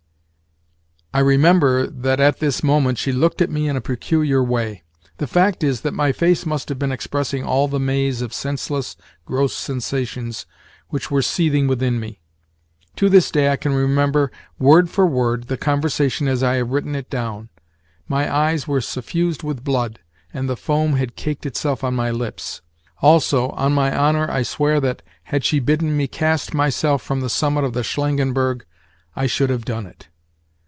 I remember that at this moment she looked at me in a peculiar way. The fact is that my face must have been expressing all the maze of senseless, gross sensations which were seething within me. To this day I can remember, word for word, the conversation as I have written it down. My eyes were suffused with blood, and the foam had caked itself on my lips. Also, on my honour I swear that, had she bidden me cast myself from the summit of the Shlangenberg, I should have done it.